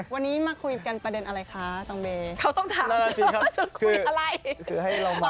วันนี้มาคุยกันประเด็นอะไรคะจองเบ